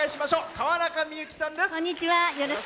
川中美幸さんです。